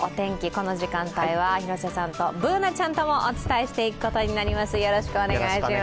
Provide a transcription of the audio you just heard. この時間帯は広瀬さんとＢｏｏｎａちゃんともお伝えしていくことになります。